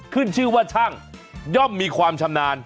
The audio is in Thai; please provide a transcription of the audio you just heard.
ขึ้นชื่อว่าช่างย่อมมีความชำนาญ